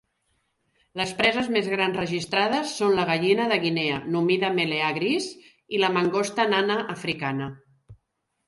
Les preses més grans registrades són la gallina de Guinea "Numida meleagris" i la mangosta nana africana.